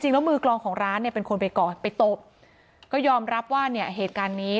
จริงแล้วมือกลองของร้านก็ยอมรับว่าเหตุการณ์นี้